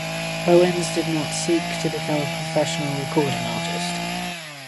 Owens did not seek to become a professional recording artist.